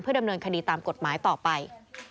ดำเนินคดีตามกฎหมายต่อไป